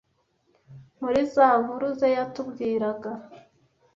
muri za nkuru ze yatubwiraga